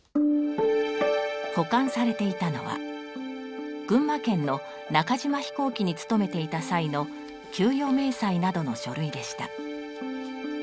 保管されていたのは群馬県の中島飛行機に勤めていた際の給与明細などの書類でした。